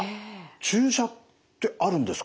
注射ってあるんですか？